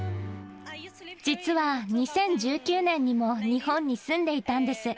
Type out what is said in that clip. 実は２０１９年にも日本に住んでいたんです。